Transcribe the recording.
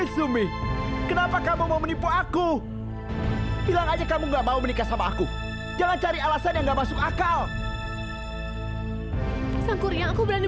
sampai jumpa di video selanjutnya